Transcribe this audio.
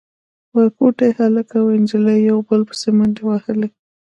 ورکوټي هلک او نجلۍ يو بل پسې منډې وهلې.